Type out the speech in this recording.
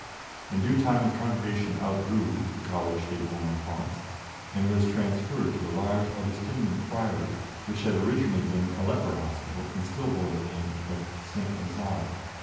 In due time the Congregation outgrew the Collège des Bons Enfants, and was transferred to a large Augustinian priory which had originally been a leper hospital, and still bore the name of St. Lazare.